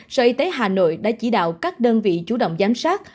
sở y tế hà nội đã chỉ đạo các đơn vị chủ động giám sát